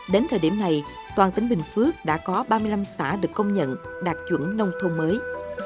đến thời điểm này toàn tỉnh bình phước đã có ba mươi năm xã được công nhận đạt chuẩn nông thôn mới